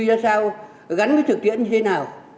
nếu đề thi ra sao gắn với thực tiễn như thế nào